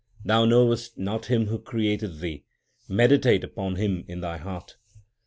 Thou knowest not Him who created thee ; meditate upon Him in thy heart.